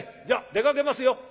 じゃあ出かけますよ」。